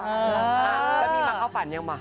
มีมะเข้าฟันยังป่ะ